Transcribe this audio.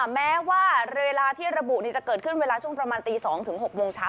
แม้ว่าเวลาที่ระบุจะเกิดขึ้นเวลาช่วงประมาณตี๒ถึง๖โมงเช้า